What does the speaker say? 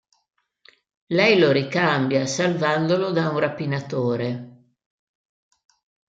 Lei lo ricambia salvandolo da un rapinatore.